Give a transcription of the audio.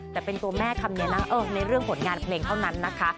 แต่เป็นตัวแม่คำนี้นะในเรื่องผลงานเพลงเท่านั้นนะคะ